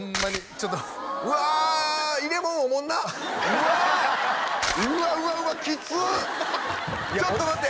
ちょっと待って！